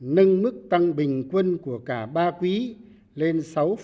nâng mức tăng bình quân của cả ba quý lên sáu bốn mươi một